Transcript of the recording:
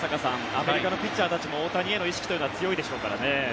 アメリカのピッチャーたちも大谷への意識というのは強いでしょうからね。